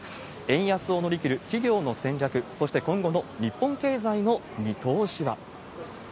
円安を乗り切る企業の戦略、そして今後の日本経済の見通しは。